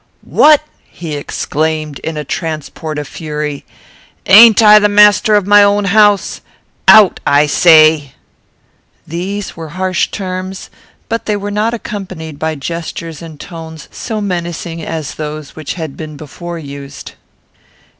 "What!" he exclaimed, in a transport of fury, "a'n't I master of my own house? Out, I say!" These were harsh terms, but they were not accompanied by gestures and tones so menacing as those which had before been used.